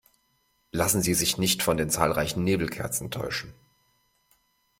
Lassen Sie sich nicht von den zahlreichen Nebelkerzen täuschen!